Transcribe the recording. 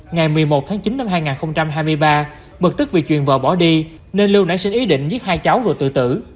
ngày một mươi một tháng chín năm hai nghìn hai mươi ba bực tức vì chuyện vợ bỏ đi nên lưu nảy sinh ý định giết hai cháu rồi tự tử